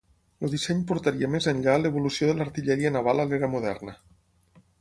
El disseny portaria més enllà l'evolució de l'artilleria naval a l'era moderna.